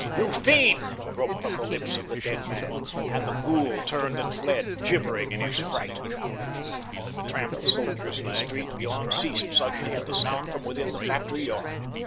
"You fiend!" broke from the lips of the dead man, and the ghoul turned and fled, gibbering in his fright. The tramp of soldiers in the street beyond ceased suddenly at the sound from within the factory yard.